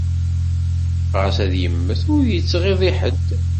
Ɣas ad yemmet, ur yettɣiḍ i ḥedd.